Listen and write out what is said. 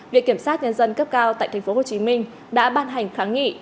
việc kiểm soát nhân dân cấp cao tại tp hcm đã ban hành kháng nghị